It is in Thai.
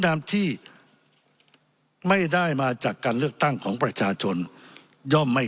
และมันก็จะดึงเป็นจิตฝี